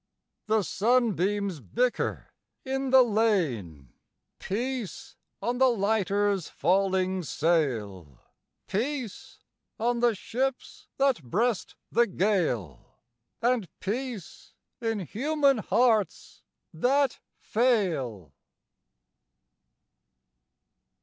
The sunbeams bicker in the Lane Peace on the lighter's falling sail! Peace on the ships that breast the gale! And peace in human hearts that fail!